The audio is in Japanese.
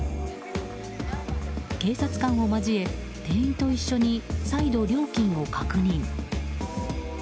警察官を交え店員と一緒に再度料金を確認。